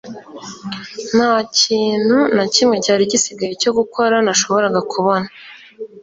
Nta kintu na kimwe cyari gisigaye cyo gukora nashoboraga kubona